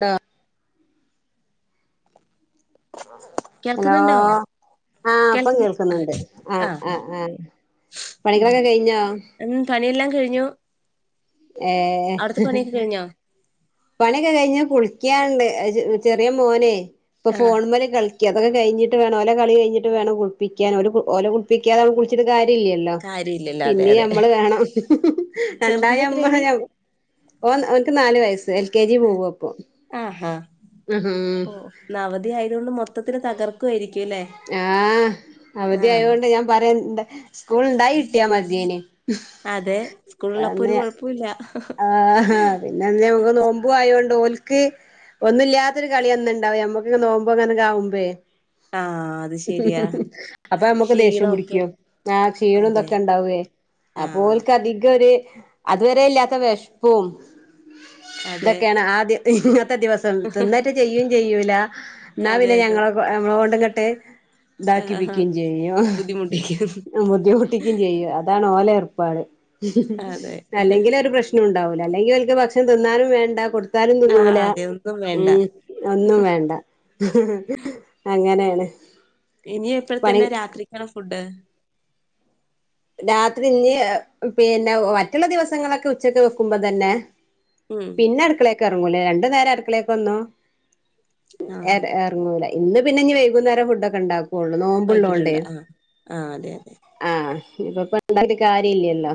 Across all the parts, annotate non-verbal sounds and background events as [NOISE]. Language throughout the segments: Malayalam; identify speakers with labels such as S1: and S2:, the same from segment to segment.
S1: ആ ഹലോ
S2: കേൾക്കുന്നുണ്ടോ
S1: ആ ഇപ്പം
S2: കേൾക്കുന്നു
S1: കേൾക്ക്ന്ന്ണ്ട്! ആ ആ ആ പണിക്കളൊക്കെ കഴിഞ്ഞോ?
S2: ൻ്റെകയിഞ്ഞു
S1: ഏ.... ങ്ഹേ.... പണിയൊക്കെ കഴിഞ്ഞ കുളിക്കാണ്ട് ചെറിയ മോനെ ഇപ്പൊ
S2: ആ
S1: ഫോൺ മ്മൽ കളിക് ക്ക അതക്കെ കഴിഞ്ഞിട്ട് വേണം ഓല കളികഴിഞ്ഞിട്ട് വേണം കുളിപ്പിക്കാൻ. ഓലെ കു ഓലെ കുളിപ്പിക്കാതെ നമ്മ കുളിച്ചിട്ട് കാ ഇല്ലല്ലോ
S2: കാര്യമില്ലല്ലോ അതെ
S1: പിന്നെ
S2: അതെ
S1: നമ്മള് വേണം
S2: ചെറുതിന്
S1: രണ്ടായാമ്മള്
S2: എത്രയായി
S1: ഓ ഓന്ക്ക് നാല് വയസ്സ് എൽ കെ ജി പോവ്യാ പ്പൊ
S2: ആ ഓ അവധി ആയത് കൊണ്ട് മൊത്തത്തില് തകർക്കുായിരിക്കും
S1: ആഹ് അവധി ആയതോണ്ട് ഞാൻ പറയനിണ്ട്. സ്കൂൾ ഇണ്ടായി കിട്ടിയാ മത്യോനി
S2: അതെ
S1: അ
S2: സ്കൂളുള്ളപ്പോ ഒരു
S1: അന്ന്
S2: കുഴപ്പമില്ല
S1: ആഹ് ആ പിന്നെ അന്ന് നമുക്ക് നോമ്പു ആയ ഓല്ക്ക് ഒന്നുല്ലാത്തൊരു കളി അന്ന് ണ്ടാവും നമ്മക്ക നോുമ്പോ അങ്ങനെ കാവുമ്പേ
S2: ആ..... അത്
S1: ഹ്
S2: ശരിയാ
S1: ഹ് ഹ് അപ്പൊ നമ്മുക്ക് ദേഷ്യം
S2: ക്ഷീണമൊക്കെ
S1: പിടിക്കും! ആ് ക്ഷീണം
S2: അതെ
S1: തൊക്കെ ഉണ്ടാവ്യൂ
S2: ആ
S1: അപ്പോൽക്ക് അധി കൊര് അതുവരെ ഇല്ലാത്ത വിഷപ്പും,
S2: അതെ
S1: ഇതൊക്കെയാണ് ആദ്യ ഇ ത്തെ ദിവസം തിന്നിട്ട് ചെയ്യും ചെയ്യൂല ഇന്നാ
S2: അതെ
S1: പിന്നെ
S2: അതെ
S1: ഞങ്ങള നമ്മ കൊണ്ടുംങ്ങ്ട്ട്
S2: ആഹാ
S1: ഇതാക്കിപ്പിക്കുകയും ചെയ്യും ങ്ഹാ
S2: ബുദ്ധിമുട്ടിക്കും
S1: ബുദ്ധിമുട്ടിക്കും ചെയ്യും അതാണ് ഓല ഏർപ്പാട്
S2: അതെ
S1: അല്ലെങ്കിൽ ഒരു പ്രശ്നം ഉണ്ടാവൂല അല്ലെങ്കിൽ ഓൽക്ക് ഭക്ഷണം തിന്നാനും വേണ്ട കൊടു കൊട്ത്താലും
S2: ആ
S1: തിന്നൂല
S2: അതെ ഒന്നും വേണ്ട
S1: ഉം ഒന്നും വേണ്ട അങ്ങനെയാ ണ്
S2: ഇനി എപ്പളത്തിനാ രാത്രിക്കാണ് ഫുഡ്
S1: രാത്രി ഇഞി പിന്നെ മറ്റുള്ള ദിവസങ്ങളൊക്കെ ഉച്ചക്ക് വെക്കുമ്പോ തന്നെ
S2: ഉം
S1: പിന്നെ അടുക്കളേക്ക് ഇറങ്ങൂല രണ്ടു നേരം അടുക്കളേക്ക് വന്നു
S2: ആ
S1: ഇറങ്ങൂല ഇന്ന് പിന്നെ ഇനി വൈകുന്നേരം ഫുഡൊക്കെ ണ്ടാക്കും ള്ളൂ നോമ്പള്ളൂണ്ടേ
S2: വൈകിട്ടുണ്ട് ആഹ് ആഹ് അതെ അതെ
S1: ആഹ ഇപ്പ ഇപ്പണ്ടാക്കിട്ട് കാര്യല്ലല്ലോ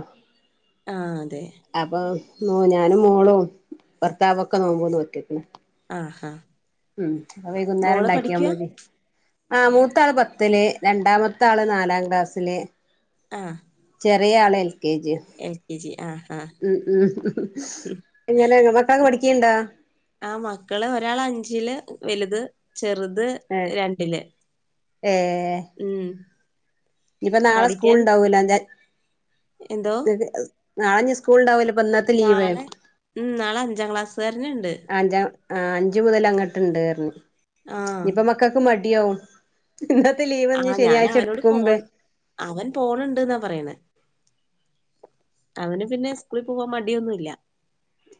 S2: ആ അതെ
S1: ഓ ഞാനും മോളും ഭർത്താവൊക്കെ നോമ്പ് നോറ്റക്കണ്
S2: ആഹാ
S1: ഉം അപ്പൊ വൈകുന്നേരം
S2: മോള് പഠിക്കുവാ
S1: ണ്ടാക്കിയാമതി ആ മൂത്താള് പത്തില് രണ്ടാമത്തെ ആള് നാലാം ക്ലാസ്സില്
S2: ആഹ്
S1: ചെറിയളെ K G
S2: L K G ആഹ് ആഹ്
S1: ഉം ഉം എങ്ങനെ [UNINTELLIGIBLE] പഠി ക്കണ്ടാ
S2: ആഹ് മക്കള് ഒരാള് അഞ്ചില് വലുത് ചെറുത് രണ്ടില്
S1: ഏഹ്
S2: ഉം
S1: ഇനി ഇപ്പ നാളെ സ്കൂൾ
S2: പഠിക്കാൻ
S1: ഉണ്ടാവൂലല്ലേ [UNINTELLIGIBLE]
S2: എന്തോ
S1: [UNINTELLIGIBLE] നാളെഞ്ഞി സ്കൂളുണ്ടാവലോ
S2: നാളെ ഉം നാളെ അഞ്ചാം ക്ലാസ്സുകാരന് ഉണ്ട്
S1: ആഹ് അഞ്ചു മുതൽ അങ്ങോട്ടുണ്ടന്ന്
S2: ആഹ്
S1: ഇനിപ്പ മക്കൾക്ക് മടിയാവും ഇന്നത്തെ ലീവ് ഇഞ്ഞി
S2: ആഹ് ഞാൻ
S1: ശനിയാഴ്ച
S2: അവനോട് പോൺ
S1: എടുക്കുമ്പേ
S2: അവൻ പോണുണ്ട്ന്നാ പറയണ അവന് പിന്നെ സ്കൂളിൽ പോവാൻ മടിയൊന്നുല്ല.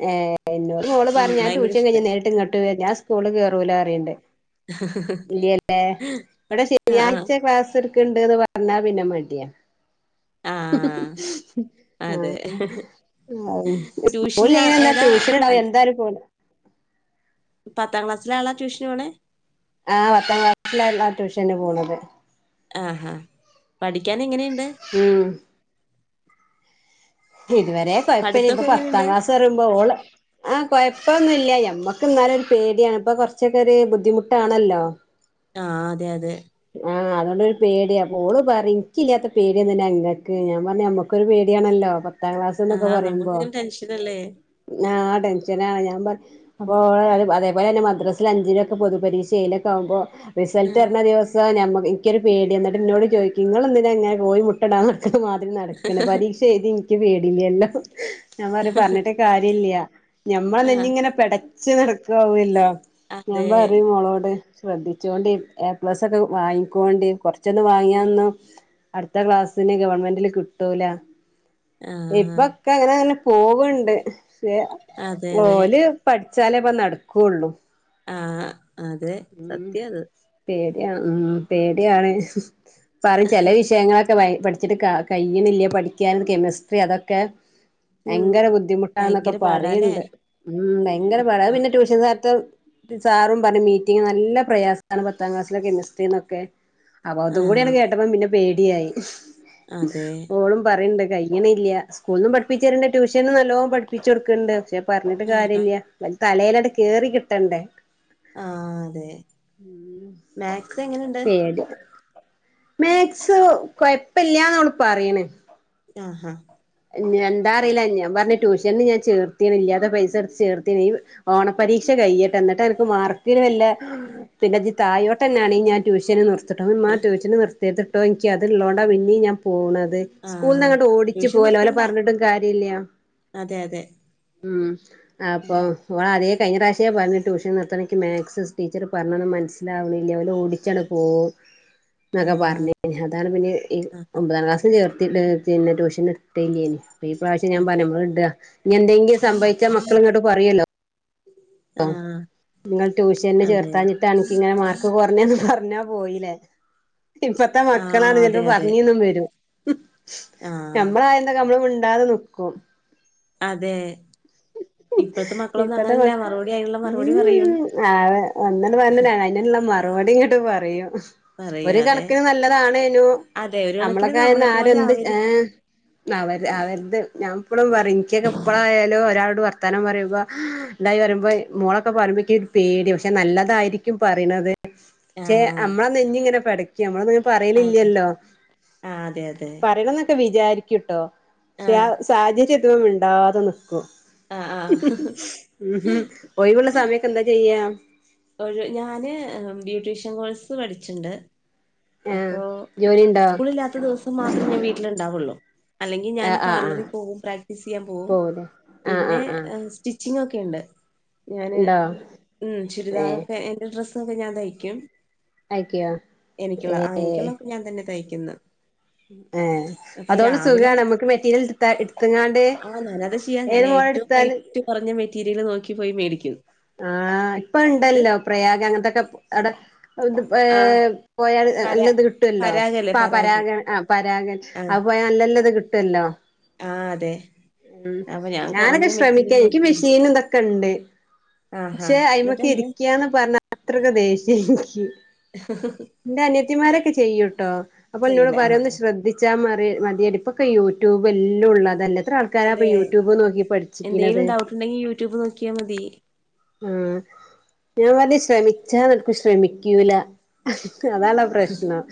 S1: ഏഹ് എന്നോട് മോള്
S2: ഉം
S1: പറഞ്ഞ ഞാൻ
S2: ഭയങ്കര
S1: ട്യൂഷൻ
S2: ഇഷ്ടാ
S1: കഴിഞ്ഞ് നേരിട്ട് ഇങ്ങട്ട് വ ഞാൻ സ്കൂളിൽ കേറൂല അറിയ ഇല്ലല്ലേ ഇവിടെ
S2: ആഹ് ആഹ്
S1: ശനിയാഴ്ച ക്ലാസ് ഇണ്ട്ന്ന് പറഞ്ഞാ പിന്നെ മടിയാ
S2: ആഹ് അതെ
S1: ആഹ് ആഹ്
S2: ട്യൂഷന്
S1: സ്കൂളിൽ ഇങ്ങനെ എന്താ
S2: ഏതാ
S1: ട്യൂഷൻ വിട എന്തായാലും പോ
S2: പത്താം ക്ലാസ്സിലെ ആളാ ട്യൂഷന് പോണേ
S1: ആഹ് പത്താം ക്ലാസ്സിലാള ട്യൂഷന് പോണത്
S2: ആഹാ പഠിക്കൻ എങ്ങനെയുണ്ട്
S1: ഉം ഇതുവരെ കുഴപ്പില്ല ഇപ്പ
S2: പഠിത്തൊക്കെ
S1: പത്താം
S2: എങ്ങനെയുണ്ട്?
S1: ക്ലാസ് പറയുമ്പോ ഓള് ആഹ് കോഴപ്പൊന്നുവി ല്ല ഞമ്മക്ക് എന്നാലും ഒരു പേടിയാണ് ഇപ്പൊ കൊറച്ചൊക്കെ ഒരു ബുദ്ധിമുട്ടാണല്ലോ
S2: ആഹ് അതെ അതെ
S1: ആഹ് അതുകൊണ്ടൊരു പേടിയ അപ്പോ ഓള് ഇക്കില്ലാത്ത പേടിയെന്തിനാ ഇങ്ങക്ക് ഞാൻ പറഞ്ഞ് നമ്മക്കൊരു പേ ടിയാണല്ലോ പ ത്താം ക്ലാസ്
S2: ആ
S1: എന്നൊക്കെ പറയുമ്പോ
S2: നമുക്കിങ്ങനെ ടെൻഷനല്ലേ?
S1: ആഹ് ടെൻഷനാണ് ഞാൻ പറ അപ്പോ അതേപോലെ തന്നെ മദ്രാസെൽ അഞ്ചിനൊക്കെ പൊതുപരീക്ഷയിലൊക്കെ ആവുമ്പോ
S2: ആ,
S1: റിസൾട്ട് വരഞ്ഞ ദിവസ് നം എനിക്കൊരു പേടിയാ എന്നിട്ട് എന്നോട് ചോദിക്കും നിങ്ങളെന്തിന കൊയി മുട്ടയിട നട മാതിരി നടക്കണ പരീക്ഷ എഴുതി എനിക്ക് പേടില്ല എല്ലോ ഞാൻ പറഞ്ഞിട്ട് കാര്യം ഇല്ല ഞമ്മൾ
S2: ആ,
S1: നിന്ന ഇങ്ങനെ പിടച്ച് നടക്കു ആവാല്ലോ ഞാൻ
S2: അതെ.
S1: പറയും മോളോട് ശ്രദ്ധിച്ചോണ്ട് എ പ്ലസ് ഒക്കെ വാങ്ങിക്കോണ്ട് കുറച്ചൊന്ന് വാങ്ങിയയൊന്നും അടുത്ത ക്ലാസ്സിന് ഗവൺമെന്റില് കിട്ടൂല
S2: ആ,
S1: ഇപ്പൊക്കെ അങ്ങനെ അങ്ങനെ പോവണ്ട്
S2: അതെ, അതെ.
S1: ഓല് പഠി ച്ചാലേ ഇപ്പൊ നടക്കുള്ളു
S2: ആഹ്
S1: ഉം ശെരിയാ ഉം പേടിയാണ് പറയും ചില വിഷയങ്ങളൊ ക്കെ പഠിച്ചിട്ട് കഴിയുന്നില്ല പഠിക്കാൻ കെമിസ്ട്രി അതൊക്കെ
S2: ഉം.
S1: ഭയങ്കര ബുദ്ധിമുട്ടാന്നൊക്കെ
S2: ഭയങ്കര പാടാല്ലേ?
S1: പറയണ്ട് ഉം ഭയങ്കര പടാ അത്
S2: ആ,
S1: പിന്നെ ട്യൂഷൻ സ്ഥത്തും സാറും പറഞ്ഞ് മീറ്റിംഗ് നല്ല പ്രയാസവാണ് പത്താം ക്ലാസ്സിലെ കെമിസ്ട്രിന്നൊക്കെ അപ്പൊ അതു
S2: ആ,
S1: കൂടിയാങ് കേട്ടപ്പോ പിന്നെ പേടിയായി
S2: അതെ.
S1: ഓളും പറയണ്ട് കയിയണില്ല സ്കൂളിന്നും പഠിപ്പിച്ചിരണ്ട് ട്യൂഷനും നല്ലോ പഠിപ്പിച്ച് കൊടുക്കണ്ട് പക്ഷെ പറഞ്ഞിട്ട്
S2: ആ,
S1: കാര്യല്ല തലയിലങ് കേറി കിട്ടണ്ടേ
S2: ആ, അതെ. മാത്സ് എങ്ങനെയുണ്ട്?
S1: പേടിയാ മാക്സ് കൊയപ്പില്ലന്ന് ഓള് പറയണ്
S2: ആഹ് ഹ
S1: എന്താ അറിയില്ല ഞാൻ പറഞ്ഞ് ട്യൂഷന് ഞാൻ ചേർത്തിന് ഇല്ലാത്ത പൈസ എടുത്ത് ചേർത്തിന് ഈ ഓണ പരീക്ഷ കയിയട്ട് എന്നിട്ട് അനക്ക് മാർക്കിന് വല്ല പിന്നെ ജ് താഴോട്ട് തന്നാണെ ഞാൻ ട്യൂഷന് നിർ ട്ടോ ഉമ്മ ട്യൂഷന് നിർത്തരുതേട്ടോ എനിക്ക് അതുള്ളോണ്ട പിന്നേം ഞാൻ പോണത്
S2: ആ,
S1: സ്കൂളിനങ്ങോട്ട് ഓടിച്ച്
S2: ട്യൂഷൻ
S1: പോല ഓലെ
S2: നിർത്തണ്ട?
S1: പറഞ്ഞിട്ടും കാര്യ ഇല്ല
S2: അതെ, അതെ.
S1: ഉം അപ്പൊ ഓളെ അതേ കഴിഞ്ഞ പ്രാവശ്യേ പറഞ്ഞ് ട്യൂഷൻ നിർത്തണെക്ക് മാക്സ് ടീച്ചറ് പറഞ്ഞെത് മനസ്സിലാവ്ണില്ല ഓല് ഓടിച്ചാണ്ട് പോകും
S2: ആ,
S1: ന്നൊക്കെ പറഞ് അതാണ് പഞ് ഈ
S2: ആ,
S1: ഒമ്പതാം ക്ലാസിൽ ചേർത്തിട്ട് പിന്നെ ട്യൂഷൻ [UNINTELLIGIBLE] അൊ ഈ പ്രാവശ്യം ഞാൻ പറഞ്ഞു
S2: അതെ.
S1: നമ്മള്ഡാ ഞ്എന്തെങ്കിലും സംഭവിച്ചാ മക്കള് ഇങ്ങട്ട് പറയല്ലോ അ
S2: ആ,
S1: ഇങ്ങൾ ട്യൂഷന്ന്
S2: അതെ.
S1: ചേർത്താഞ്ഞിട്ടാണ് ഇന്ക് ഇങ്ങനെ മാർക്ക് കുറഞ്ഞേന്ന് പറ്ഞ്ഞു റ്ഞ്ഞാ പോയില്ലേ ഇപ്പത്തെ
S2: ആ,
S1: മക്കളാണ് ചെല്
S2: അതെ,
S1: പ്പോ
S2: അതെ.
S1: പറ്ഞ്ന്നും വരും
S2: ആ,
S1: നമ്മളായന്നൊക്കെ നമ്മള് മിണ്ടാതെ നിക്കും
S2: അതെ ഇപ്പത്തെ മക്കളൊന്നും
S1: ഇപ്പത്തെ
S2: അങ്ങനെല്ല
S1: മക്ക
S2: മറുപ
S1: ഉം ആ ഒന്നണ്ട് പറഞ്ഞ അയ്ന്ള്ള മറുപടി ഇങ്ങട്ട് പറയും
S2: പറയും
S1: ഒരു
S2: അതെ
S1: കണക്കിന് നല്ലതാണേനു
S2: അതെ ഒരു കണക്കിന് നമ്മളെ
S1: നമ്മളൊക്കായന്ന്
S2: പോലെ
S1: ആരെന്ത് ഏ
S2: ആവരുത്
S1: അവര് അവര്ത് ഞാൻ ഇപ്പളും പറിം ഇൻക്കൊക്കെ ഇപ്പഴായാലും ഒരാളോട് വർത്താനം പറയ്ബ തായി റയുമ്പോ മോളൊക്കെ പറയുമ്പോ ഇക്യര് പേടി പക്ഷെ നല്ലതായിരിക്കും പറിണത് ക്ഷേ
S2: ആഹ്
S1: നമ്മളെ നെഞ്ങ്ങെനെ പെടക്കും നമ്മളത്
S2: അതെ
S1: പറയലില്ലല്ലോ
S2: ആഹ് അതെ അതെ
S1: പറണം ന്നൊക്കെ വിചാരിക്കുട്ടോ ക്ഷെ ആ
S2: ആഹ്
S1: സാഹചര്യത്തുമ്പോ മിണ്ടാതെ നിക്കും
S2: ആഹ് ആഹ്
S1: ഉ ഒഴിവുള്ള സമയക്കെ ന്താ ചെയ്യ്യ
S2: ഒരു ഞാന് ബ്യൂട്ടീഷ്യൻ കോഴ്സ് പഠിച്ചിണ്ട്
S1: ആഹ്
S2: അപ്പൊ
S1: ജോലി ഉണ്ടോ
S2: സ്കൂളില്ലാത്ത ദിവസം മാത്രേ ഞാൻ വീട്ടില് ഇണ്ടാവുള്ളൂ അല്ലെങ്കി ഞാന്
S1: ആഹ് ആഹ്
S2: പാർലറി
S1: ആഹ്
S2: പോകും പ്രാക്ടീസ് സെയ്യാൻ പോകും
S1: പോവൂലേ ആഹ്
S2: പിന്നെ
S1: ആഹ് ആഹ്
S2: സ്റ്റിച്ചിംഗ ഒക്കെ ണ്ട് ഞാന്
S1: ഉണ്ടോ
S2: ഉ
S1: ഏഹ്
S2: ചുരിദാറോക്കെ എന്റെ ഡ്രസ്സൊക്കെ ഞാൻ തയ്ക്യും
S1: അയക്കോ
S2: എനിക്കുള്ള ആ എനിക്കുള്ളക്കെ ഞാൻ തന്നെ തയ്ക്കുന്ന്
S1: ഏ
S2: അപ്പൊ ഈ
S1: അതോണ്ട്
S2: രാവിലെ
S1: സുഖാണ് നമ്മക്ക് മെറ്റീരിയൽ ഇടത്ത് ഇട്ത്ത്ങ്ങാണ്ട്
S2: ആഹ് ഞാനത് ചെയ്യാ ഞാൻ ഏറ്റവും റേയ്റ്റ് കൊറ്ഞ്ഞ മെറ്റീരിയല് നോക്കിപ്പോയി മേടിക്യു
S1: ആ ഇപ്പ ണ്ടല്ലോ പ്രയാഗ് അങ്ങനത്തെൊക്കെ അ [UNINTELLIGIBLE] വിടെ ഇത്
S2: ആഹ്
S1: പോ [UNINTELLIGIBLE] യാല്
S2: പരാ
S1: നല്ലത് കിട്ടുമല്ലോ
S2: പരാഗല്ലേ
S1: [UNINTELLIGIBLE] ആ
S2: പരാഗ്
S1: പരാഗൻ ആ പരാഗൻ അ പോയ നല്ലല്ലത് കിട്ടൊല്ലോ
S2: ആ അതെ
S1: ഉം
S2: അപ്പൊ ഞാൻ
S1: ഞാനൊക്കെ
S2: കുറഞ്ഞ മെറ്റീരിയൽ
S1: ശ്രമിക്കാ ഇന്ക്ക്
S2: നോക്കി മേടിക്കും.
S1: മിഷീൻ ന് തൊക്കെ ണ്ട്
S2: ആഹാ
S1: പക്ഷെ
S2: എന്നിട്ട്
S1: അയി്മക്ക്
S2: എന്ത്
S1: ഇരിക്യാന്ന് പറഞ്ഞ അത്രയ്ക്ക് ദേശ്യാ നിക്ക് ഇന്റെ അനയത്തിമാരൊക്കെ ചെയ്യൂട്ടോ അപ്പൊ ഇന്നോട്
S2: ചെയ്യില്ല
S1: പറയോ
S2: ആഹ്
S1: ന്ന് ശ്രദ്ധിച്ച മ മതിയടുപ്പൊക്കെ യൂട്യൂബ് എല്ലോ ഉള്ളതല്ല ത്ര ആൾക്കാരാ ഇപ്പൊ
S2: അതെ
S1: യൂട്യൂബ് നോക്കി പഠിച്ചിക്ക്ണത്
S2: എന്തേലും ഡൗട്ട് ഉണ്ടെങ്കി യൂട്യൂബ് നോക്കിയാ മതി
S1: ആ ഞാൻ വല ശ്രമിച്ചാ നടക്കും ശ്രമിക്കൂല അതാണ് പ്രശ്നം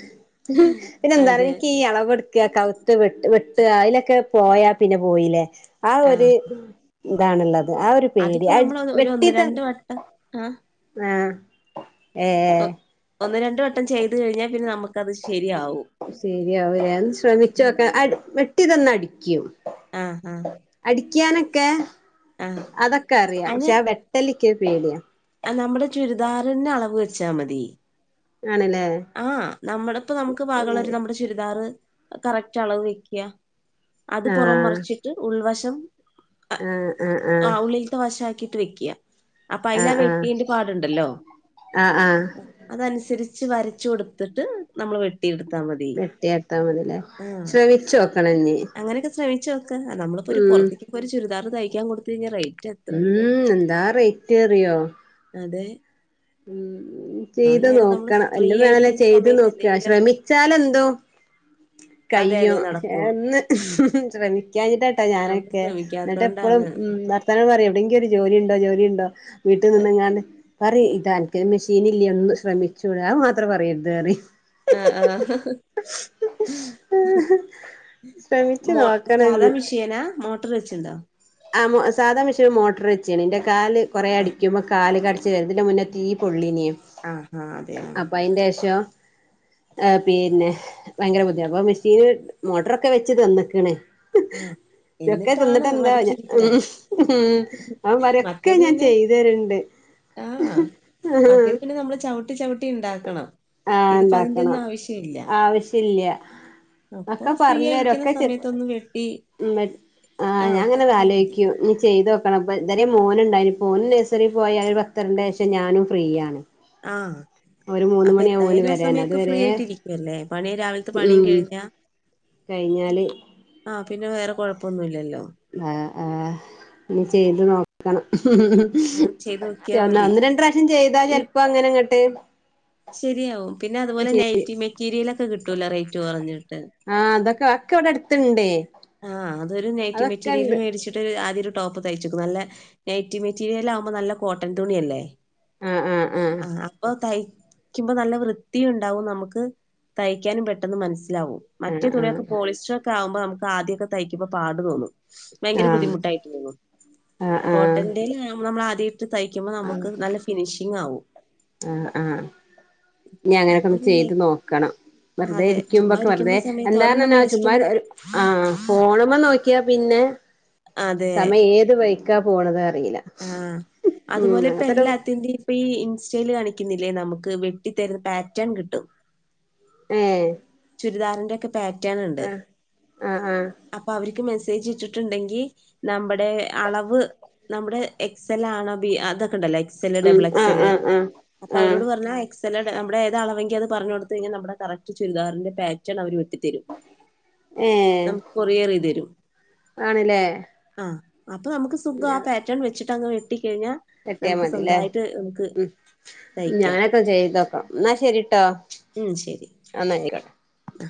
S1: പിന്നെ എന്താറിയോ
S2: അതെ
S1: ഇന്ക്ക് ഈ അളവെ കൗത്ത് വെട്ട് വെട്ടാ അയ്ലൊക്കെ പോയാ പിന്നെ പോയിലെ ആ ഒരു
S2: ആഹ്
S1: ഇതാണുള്ളത് ആ ഒരു പേടി
S2: അതിപ്പോ
S1: അ
S2: നമ്മൾ ഒരു ഒന്ന്
S1: വെട്ടിത്ത
S2: രണ്ട് വട്ടം ആഹ്
S1: ആ
S2: ഒ ഒന്ന് രണ്ട് വട്ടം ചെയ്ത് കഴിഞ്ഞാ പിന്നെ നമുക്ക്
S1: ശരിയാവും ലെ ഒന്ന് ശ്രമിച്ചോക്ക അ വെട്ടി തന്നാ അടിക്കും
S2: ആ ആ
S1: ക്യാനൊക്കെ അതൊക്കെ അറിയാം
S2: അയിന്
S1: പക്ഷെ ആ വെട്ടലിക്യോരു പേടിയ
S2: ഉദാരണ അളവ് വെച്ചാ മതി
S1: ആണല്ലേ
S2: ആ നമ്മള് പ്പോ നമുക്ക് പാകള്ളോരു നമ്മുടെ ചുരിദാറ് കറക്റ്റ് അളവ് വെക്യാ അത് പോറം
S1: ആഹ്
S2: മറിച്ചിട്ട് ഉൾവശം
S1: ആഹ് ആഹ്
S2: ആ
S1: ആഹ്
S2: ഉള്ളിൾത്തെ വശാക്കി ത്ത് വെക്യാ അപ്പാ ഐലാ
S1: ആഹ് ആഹ്
S2: വെട്ടിയന്റെ പാട്ണ്ടല്ലോ
S1: ആഹ് ആഹ്
S2: അതനുസരി ച്ച് വരച്ച് കൊടുത്തിട്ട് നമ്മൾ ട്ടി യടുത്താ മതി
S1: വെട്ടിയാട്ടാ മതില്ലേ
S2: ആ
S1: ശ്രമിച്ചോക്കണഞ്ഞി
S2: അങ്ങനെയൊക്കെ ചെ നമ്മളിപ്പോ ഒരു
S1: ഉം
S2: പുറത്തിക്ക്പ്പോര് ചുരിദാർ തയ്ക്കാ കൊടുത്ത് കഴിഞ്ഞാ റേറ്റ് എത്രണ്ട്
S1: ഉം എന്താ റേറ്റ് അറിയോ
S2: അതെ
S1: ഉ
S2: ആ
S1: ചെയ്ത്
S2: നേരം നമ്മള്
S1: നോക്കണ
S2: ഫ്രീ
S1: എല്ലും വേണല്ലോ
S2: ആയിരിക്കുന്ന
S1: ചെയ്ത്
S2: സമയത്ത്
S1: നോക്കാ
S2: എന്തെങ്കിലൊക്കെ
S1: ശ്രമിച്ചാലന്തും
S2: അതെ
S1: കയ്യോ
S2: അതെ നടക്കും
S1: [UNINTELLIGIBLE] ഒന്ന് ശ്രമിക്കാഞ്ഞിട്ടാട്ടോ
S2: നമ്മൾ
S1: ഞാനൊക്കെ ന്നിട്ട് എപ്പഴും
S2: ശ്രമിക്കാത്തോണ്ടാണ്
S1: ഉ നിർത്താന പറയാ എവിടെയെങ്കില ഒരു ജോലി ഉണ്ടോ ജോലി ഉണ്ടോ വീട്ടിൽ നിന്ന് എങ്ങാണ്ട് പറ ഇത എനിക്ക് മെഷീന ഇല്ലേ ഒന്നന്ന് ശ്രമിച്ചുടാ മാത്രം പറയരുത് കേറി ശ്രമിച്ചു
S2: മ
S1: നോക്കണം
S2: സാധാ വിഷയന മോട്ടോർ വെച്ചുണ്ടോ
S1: ആഹ് സാധാരണ പക്ഷേ ഒരു മോട്ടർ വെച്ചാണ് എന്റെ കാല് കുറെേ
S2: ആ
S1: അടിക്കുമ്പോ കാല് കട ചെറതിന്റെ മുന്ന തീ പൊള്ളീിന
S2: ആഹ് ആഹ് അതെ ആഹ്
S1: അപ്പൊ അയിന്റെ ശേഷം ആ പിന്നെ ഭയങ്കര ബുദ്ധി അപ്പൊ മെഷീന് മോട്ടറൊക്കെ വെച്ച്ത്ന്നക്കണേ
S2: ആഹ്
S1: ചൊക്കെ
S2: എന്നിട്ടാണ്
S1: ന്നിട്ട് എന്താ ഞ്ഞൻ ഉ
S2: മടിച്ചിരിക്കണേ
S1: ഉ അവ വരൊക്കെ ഞാൻ ചെയ്തരുണ്ട്
S2: ആഹ മറ്റേരു പിന്നെ നമ്മള് ചവിട്ടി ചവിട്ടി ഉണ്ടാക്കണം
S1: ആഹ്
S2: ഇതിപ്പോ അതിന്റെ
S1: ഉണ്ടാക്കണം
S2: ഒന്നും ആവശ്യ ഇല്ല
S1: ആവശ്യല്ല
S2: അപ്പൊ ഫ്രീ ആയിരിക്കുന്ന സമയത്തൊന്ന് വ
S1: മ ആ ഞാൻ അങ്ങനെത്
S2: മതി
S1: ആലോയിക്കു നീ ചെയ്തോ [UNINTELLIGIBLE] ഇതരെ മോനുണ്ടായിന് ഇപ്പൊ മോനും നഴ്സറി പോയാ പത്തരൻ്റെ ശേഷം ഞാനും ഫ്രീ ആണ്
S2: ആഹ്
S1: ഒരു മൂന്ന്
S2: അതെ
S1: മണിയാവും ഓന്
S2: എന്തായാലും ആ
S1: വരാൻ
S2: സമയൊക്കെ
S1: അതുവരെ
S2: ഫ്രീയായിട്ടിരിക്കു അല്ലേ പണി രാവിലത്തെ പണിം
S1: ഉം
S2: കഴിഞ്ഞ
S1: കഴിഞ്ഞാല്
S2: അപ്പം പിന്നെ വേറെ കൊഴപ്പൊന്നുല്ലല്ലോ
S1: ആ ആ ഇനി
S2: ഉം
S1: ചെയ്ത് നോക്കണം
S2: അങ്ങനെ ചെയ്ത് നോക്കിയാ
S1: ഒ
S2: മതി
S1: ഒന്ന് രണ്ട്രാശ്യം ചെയ്താ
S2: ഈ
S1: ചെലപ്പോ അങ്ങനെ ഇങ്ങട്ട്
S2: ശരിയാവും പിന്നെ അത്പോലെ നൈറ്റി മെറ്റീരിയലൊക്കെ കിട്ടൂല റേറ്റ് കൊറഞ്ഞ
S1: ആ അതൊക്കെ ഒക്കെ ഇവടെ അട്ത്ത്ണ്ടേ
S2: ആ അതൊരു നൈറ്റി മെറ്റീരിയൽ വേടിച്ചിട്ട് ആദ്യാരു ടോപ്പ് തയ്ച്ചോക്ക് നല്ല നൈറ്റ് മെറ്റീരിയൽ ആവുമ്പോ നല്ല കോട്ടൻ തുണിയല്ലേ
S1: ആഹ് ആഹ് ആഹ്
S2: ആ അപ്പൊ തയി ക്ക്യുമ്പോ നല്ല വൃത്തി ഉണ്ടാവും നമുക്ക് തയ്ക്കാനും പെട്ടെന്ന് മനസ്സി ലവും മറ്റ
S1: ആഹ് ആഹ്
S2: തുണിയൊക്കെ പോളിസ്റ്റർ ലാവും മറ്റേ തുണിയൊക്കെ പോളിസ്റ്ററൊക്കെ ആവുമ്പോ നമുക്ക് ആദ്യൊക്കെ തയ്ക്കുമ്പോ പാട് തോന്നും
S1: ആഹ്
S2: ഭയങ്കര ബുദ്ധിമുട്ടായിട്ട് തോന്നും
S1: ആഹ്
S2: കോട്ടന്റെലാ നമ്മളാദ്യ യിട്ട് തയ്ക്കുമ്പോ
S1: ആഹ്
S2: നമുക്ക് നല്ല ഫിനിഷിങ്ങാവും
S1: ഇഞ്ഞ് അങ്ങനെക്കെ ഒന്ന് ചെയ്ത് നോക്കണം വെറുതെ
S2: അതെ ചുമ്മാ
S1: ഇരിക്കുമ്പൊക്കെ
S2: ഇരിക്കുന്ന
S1: വെറുതെ
S2: സമയത്ത്
S1: എന്താണ്
S2: ഒരെണ്ണം
S1: എന്നാ ചുമ്മാ
S2: മേടിച്ചിട്ടൊന്ന്
S1: ആ ഫോൺമ്മ നോക്കിയാ പിന്നെ സമയം ഏത് വഴിക്കാ പോണത
S2: ആ അത്പോലെ ഇപ്പ എല്ലാത്തിന്റെ ഇപ്പ ഈ ഇൻസ്റ്റൈൽ കാണിക്ക് [UNINTELLIGIBLE] നമ്മുക്ക് വെട്ടി
S1: ഏഹ്
S2: പേ
S1: ആഹ് ആഹ് ആഹ്
S2: ക്കേജ് ഇട്ടിട്ട്ണ്ടെങ്കി നമ്മടെ അളവ് നമ്മുടെ എക്സ് എൽ ആണോ ബി നമ്മടെ എക്സലാണോ ബി ഇതൊക്കെണ്ടല്ലോ എക്സ് എല്
S1: ഉം
S2: ഡബിൾ എക്സ്
S1: ആഹ്
S2: എല്
S1: ആഹ് ആഹ്
S2: അപ്പൊ
S1: ആഹ്
S2: അവരോട് പറഞ്ഞാൽ എ സലോ നമ്മടെ ഏതളവെങ്കി അത് പറഞ്ഞ് കൊടുത്ത് കഴിഞ്ഞ നമ്മടെ കറക്റ്റ് ചുരിദാറിന്റെ പാറ്റേൺ അവര് വെ ട്ടി തരും
S1: ഏഹ്
S2: നമക്ക് കൊറിയറേയ്ത് തരും
S1: ആണ്ല്ലേ
S2: ആ അപ്പൊ നമുക്ക് സുഖാ ആ പാറ്റേൺ വെച്ചിട്ടങ്ങ് വെട്ടി
S1: വെട്ടിയാ മതില്ലേ ഉം
S2: തയ്ക്കാം.
S1: ഞാനൊക്കെ ചെയ്തോക്കാം എന്നാ ശരിട്ടോ
S2: ഉം ശരി
S1: എന്നാ ആയിക്കോട്ടെ
S2: ആ